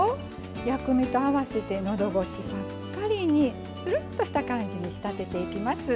薬味と合わせてのどごしさっぱりにするっとした感じに仕立てていきます。